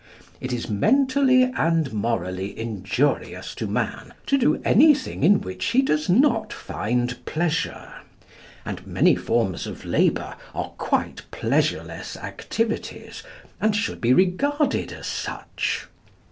It is mentally and morally injurious to man to do anything in which he does not find pleasure, and many forms of labour are quite pleasureless activities, and should be regarded as such.